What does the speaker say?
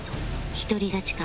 一人勝ちか？